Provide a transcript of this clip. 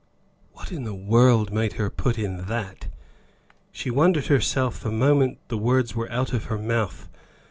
What in the world made her put in that? She wondered herself the moment the words were out of her mouth.